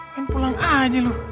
kan pulang aja lu